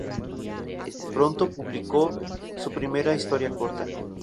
Pronto publicó su primera historia corta.